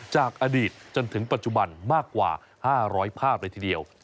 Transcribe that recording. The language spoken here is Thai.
จากอดีตจนถึงปัจจุบันมากกว่า๕๐๐ภาพเลยทีเดียว